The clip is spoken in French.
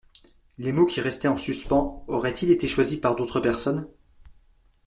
Les mots qui restaient en suspens auraient-ils été choisis par d’autres personnes ?